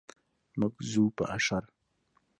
موږ ځو په اشر.